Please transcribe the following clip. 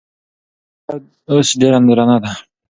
خاموشي اوس ډېره درنه ده.